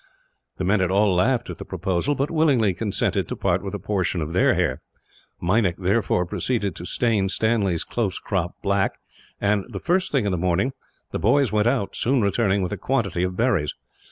The men had all laughed at the proposal, but willingly consented to part with a portion of their hair. Meinik therefore proceeded to stain Stanley's close crop black and, the first thing in the morning, the boys went out, soon returning with a quantity of berries.